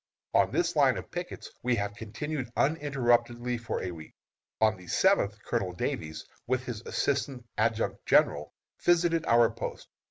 On this line of pickets we have continued uninterruptedly for a week. On the seventh, Colonel Davies, with his assistant adjutant general, visited our post.